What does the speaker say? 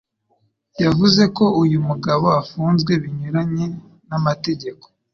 yavuze ko uyu mugabo afunzwe binyuranye n'amategeko.